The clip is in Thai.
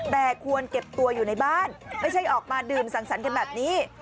แต่ควรเก็บตัวอยู่ในบ้านไม่ใช่ออกมาดื่มสังสรรค์กันแบบนี้